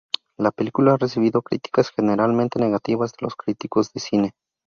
La película ha recibido críticas generalmente negativas de los críticos de cine.